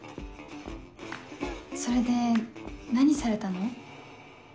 それで何されたの？